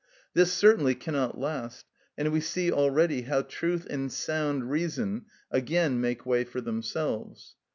This certainly cannot last, and we see already how truth and sound reason again make way for themselves.